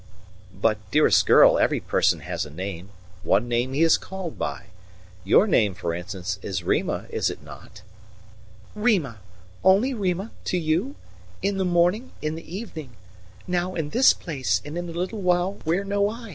But, dearest girl, every person has a name, one name he is called by. Your name, for instance, is Rima, is it not?" "Rima! only Rima to you? In the morning, in the evening... now in this place and in a little while where know I? ...